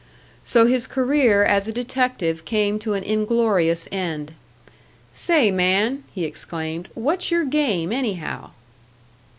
So his career as a detective came to an inglorious end. "Say, man!" he exclaimed "What's your game, anyhow?"